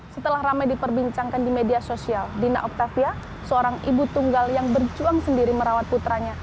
setelah ramai diperbincangkan di media sosial dina octavia seorang ibu tunggal yang berjuang sendiri merawat putranya